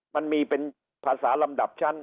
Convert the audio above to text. มันมีเป็นภาษาลำดับชั้น